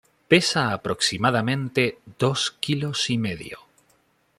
Pesa aproximadamente dos kilos y medio.